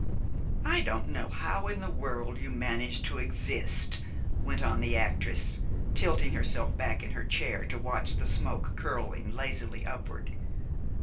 "I don't know how in the world you manage to exist," went on the actress, tilting herself back in her chair to watch the smoke curling lazily upward.